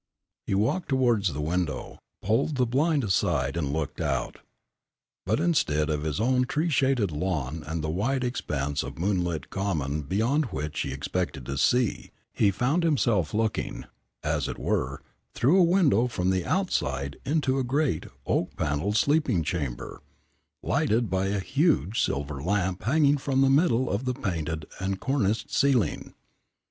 He walked towards the window, pulled the blind aside and looked out. But instead of his own tree shaded lawn and the wide expanse of moonlit common beyond which he expected to see, he found himself looking, as it were, through a window from the outside into a great, oak panelled sleeping chamber, lighted by a huge silver lamp hanging from the middle of the painted and corniced ceiling.